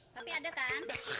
tapi ada kan